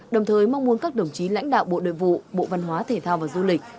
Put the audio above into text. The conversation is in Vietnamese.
đồng thời mong muốn các đồng chí lãnh đạo bộ đội vụ bộ văn hóa thể thao và du lịch